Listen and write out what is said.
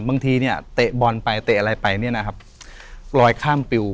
บางทีเนี่ยเตะบอลไปเตะอะไรไปเนี่ยนะครับลอยข้ามปิว